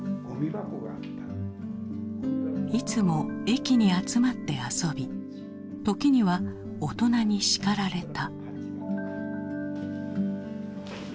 いつも駅に集まって遊び時には大人に叱られた。